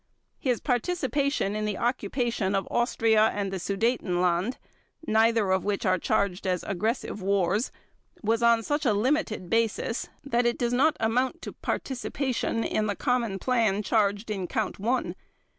His participation in the occupation of Austria and the Sudetenland (neither of which are charged as aggressive wars) was on such a limited basis that it does not amount to participation in the common plan charged in Count One.